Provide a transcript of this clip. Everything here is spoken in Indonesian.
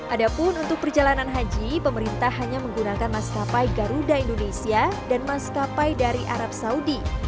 adapun untuk perjalanan haji pemerintah hanya menggunakan maskapai garuda indonesia dan maskapai dari arab saudi